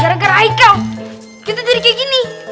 gara gara ike kita jadi kayak gini